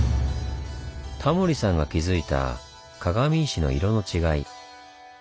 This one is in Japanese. タモリさんが気付いた鏡石の色の違い。